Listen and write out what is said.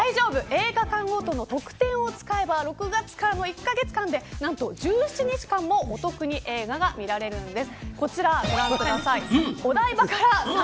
映画館ごとの特典を使えば６月からの１カ月間で１７日間もお得に映画が見られるんです。